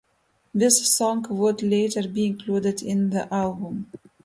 This song would later be included in the album.